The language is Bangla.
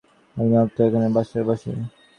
একদিন অস্তুর ওখানে বাজার বসে।